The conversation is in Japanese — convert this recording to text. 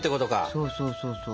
そうそうそうそう。